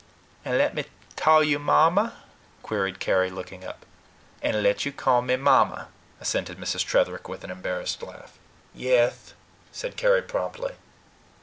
"And let me tall you Mamma?" queried Carry, looking up. "And let you call me Mamma!" assented Mrs. Tretherick with an embarrassed laugh. "Yeth," said Carry promptly.